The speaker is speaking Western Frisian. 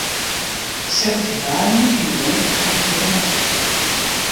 Set de ferwaarming yn 'e gong op achttjin graden.